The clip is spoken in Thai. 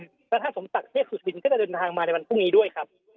และท่านสมตักเทพศุษย์บินจะได้เดินทางมาในวันพรุ่งนี้ด้วยครับ